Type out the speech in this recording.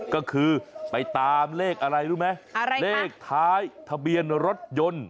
ก็คือไปตามเลขอะไรรู้ไหมอะไรเลขท้ายทะเบียนรถยนต์